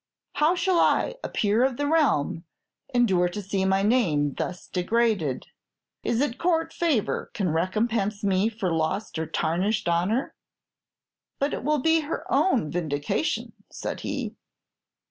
How shall I, a peer of the realm, endure to see my name thus degraded? Is it Court favor can recompense me for lost or tarnished honor?" "But it will be her own vindication," said he.